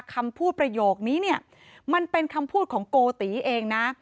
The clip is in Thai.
คำพูดประโยคนี้เนี่ยมันเป็นคำพูดของโกติเองนะ